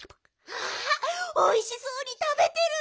わあおいしそうにたべてる。